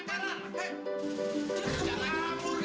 jangan ngamur ya